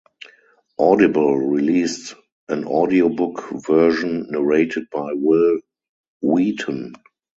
Audible released an audio book version narrated by Wil Wheaton.